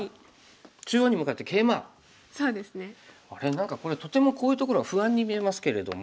何かこれとてもこういうところが不安に見えますけれども。